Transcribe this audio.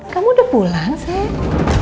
kamu udah pulang sayang